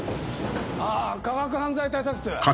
あぁ科学犯罪対策室。